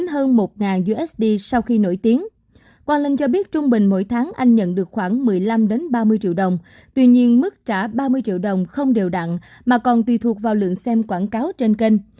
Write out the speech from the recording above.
hoàng linh cho biết trung bình mỗi tháng anh nhận được khoảng một mươi năm ba mươi triệu đồng tuy nhiên mức trả ba mươi triệu đồng không đều đặn mà còn tùy thuộc vào lượng xem quảng cáo trên kênh